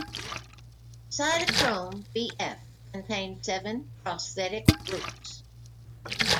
Cytochrome bf contains seven prosthetic groups.